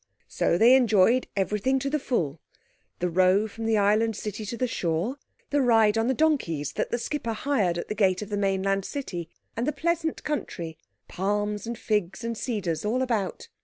So they enjoyed everything to the full, the row from the Island City to the shore, the ride on the donkeys that the skipper hired at the gate of the mainland city, and the pleasant country—palms and figs and cedars all about.